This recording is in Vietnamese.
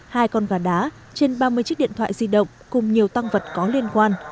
hai con gà đá trên ba mươi chiếc điện thoại di động cùng nhiều tăng vật có liên quan